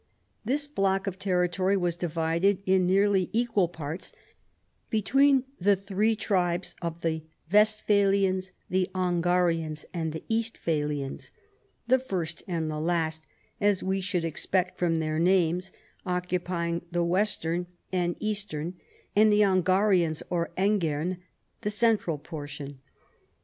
This block of territory was divided in nearly equal parts betw^een the three tribes of the Westphalians, the Angarians and the Eastphalians, the first and the last, as we should expect from their names, occupying the western and eastern and the Angarians (or Engern) the central portion.